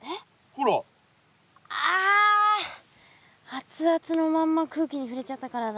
アツアツのまんま空気に触れちゃったからだ。